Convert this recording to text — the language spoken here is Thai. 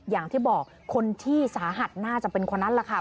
อย่างที่บอกคนที่สาหัสน่าจะเป็นคนนั้นแหละค่ะ